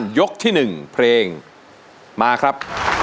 การยกที่หนึ่งเพลงมาครับ